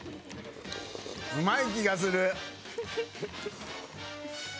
うまい気がする。